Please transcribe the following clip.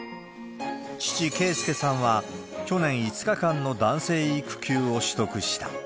父、圭介さんは去年５日間の男性育休を取得した。